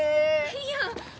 いや！